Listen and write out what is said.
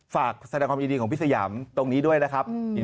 ฝากแสดงความยินดีของพี่สยามตรงนี้ด้วยนะครับ